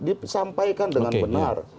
disampaikan dengan benar